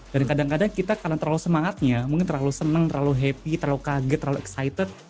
dan kadang kadang kita karena terlalu semangatnya mungkin terlalu senang terlalu happy terlalu kaget terlalu excited